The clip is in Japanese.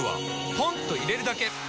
ポンと入れるだけ！